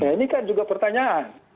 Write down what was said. ini kan juga pertanyaan